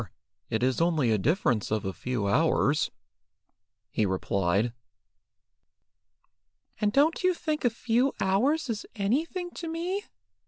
It is only a difference of a few hours," he replied. "And don't you think a few hours is anything to me?"